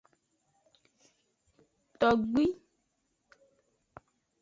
Togbi.